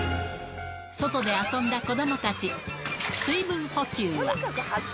外で遊んだ子どもたち、水分補給は。